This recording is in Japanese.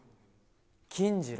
金次郎。